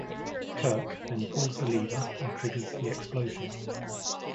Kirk then pulls the lever and triggers the explosion.